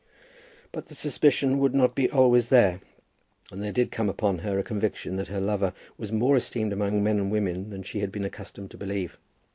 But the suspicion would not be always there, and there did come upon her a conviction that her lover was more esteemed among men and women than she had been accustomed to believe.